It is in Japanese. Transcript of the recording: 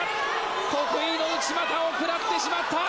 得意の内股をくらってしまった。